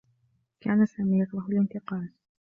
كان سامي يكره الانتقال.